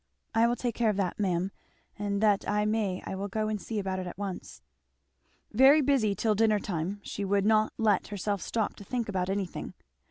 "I will take care of that, ma'am, and that I may I will go and see about it at once." Very busy till dinner time; she would not let herself stop to think about anything.